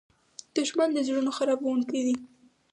دښمن د زړونو خرابوونکی وي